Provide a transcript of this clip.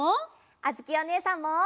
あづきおねえさんも！